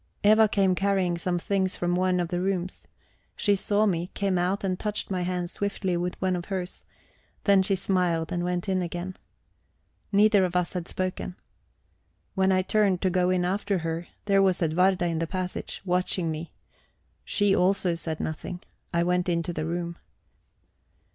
Eva came carrying some things from one of the rooms. She saw me, came out, and touched my hands swiftly with one of hers; then she smiled and went in again. Neither of us had spoken. When I turned to go in after her, there was Edwarda in the passage, watching me. She also said nothing. I went into the room.